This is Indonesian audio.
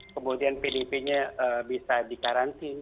kemudian pdp nya bisa dikaranti